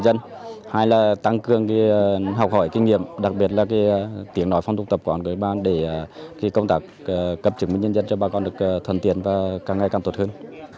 chúng tôi sẽ tăng cường học hỏi kinh nghiệm đặc biệt là tiếng nói phong tục tập quản lý ban để công tác cập chứng minh nhân dân cho bà con được thuần tiện và càng ngày càng tốt hơn